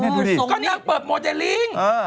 นี่ดูดิก็นางเปิดโมเตลิ้ง